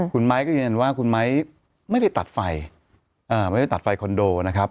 คุณไมค์ก็ยังยังว่าไม่ได้ตัดไฟคอนโดนะครับ